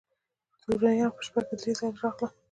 توریان په شپه کې درې ځله راغلل.